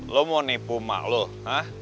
lo mau nipu emak lo hah